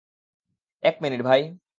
এক মিনিট, ভাই।